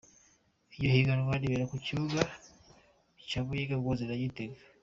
Iryo higanwa ribera ku bibuga vy'i Muyinga, i Ngozi na Gitega.